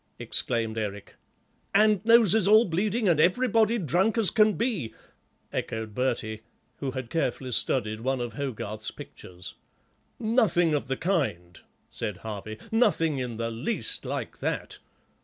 exclaimed Eric. "And noses all bleeding and everybody drunk as can be," echoed Bertie, who had carefully studied one of Hogarth's pictures. "Nothing of the kind," said Harvey, "nothing in the least like that.